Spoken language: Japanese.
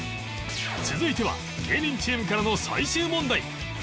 続いては芸人チームからの最終問題